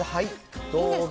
どうぞ。